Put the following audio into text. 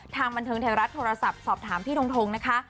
บันเทิงไทยรัฐโทรศัพท์สอบถามพี่ทงนะคะ